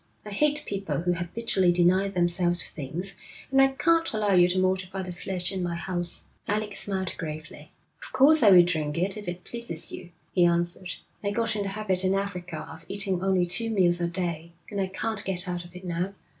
I hate people who habitually deny themselves things, and I can't allow you to mortify the flesh in my house.' Alec smiled gravely. 'Of course I will drink it if it pleases you,' he answered. 'I got in the habit in Africa of eating only two meals a day, and I can't get out of it now.